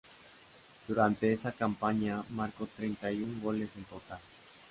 Durante esa campaña marcó treinta y un goles en total.